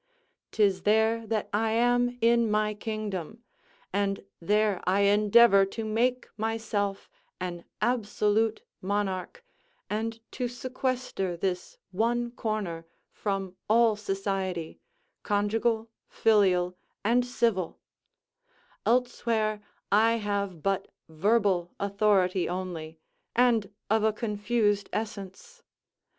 'Tis there that I am in my kingdom, and there I endeavour to make myself an absolute monarch, and to sequester this one corner from all society, conjugal, filial, and civil; elsewhere I have but verbal authority only, and of a confused essence.